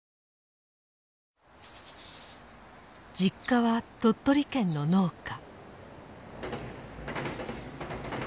実家は鳥取県の農家。